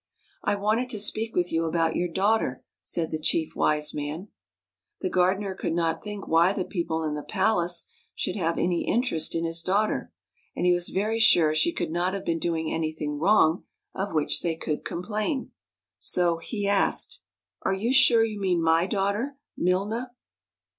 " I wanted to speak with you about your daughter,'" said the Chief Wise Man. The gardener could not think why the people in the palace should have any interest in his daughter, and he was very sure she could not have been doing anything wrong of which they could complain. So he asked: " Are you sure you mean my daughter, Milna